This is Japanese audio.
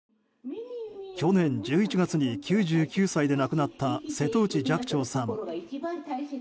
去年１１月に９９歳で亡くなった瀬戸内寂聴さん。